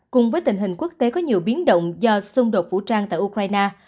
cùng với tình hình quốc tế có nhiều biến động do xung đột vũ trang tại ukraine